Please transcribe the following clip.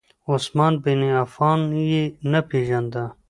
عثمان بن عفان یې نه پیژاند.